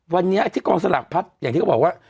วันนี้ที่กองศตราชด์พลัสตร์อย่างที่เขาบอกว่า